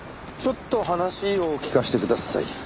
ちょっと話を聞かせてください。